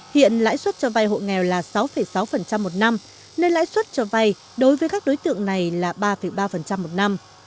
hiện lãi suất cho vay hộ nghèo là sáu sáu một năm nên lãi suất cho vay đối với các đối tượng này là ba ba một năm